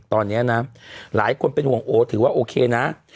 ตอนนี้นะหลายคนเป็นห่วงโอถือว่าโอเคนะ